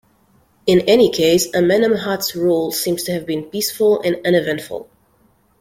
In any case, Amenemhat's rule seems to have been peaceful and uneventful.